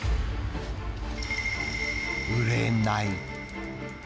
売れない。